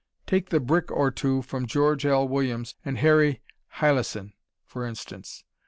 Take the "Brick or Two" from George L. Williams and Harry Heillisan, for instance.